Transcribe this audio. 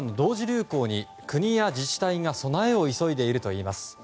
流行に国や自治体が備えを急いでいるといいます。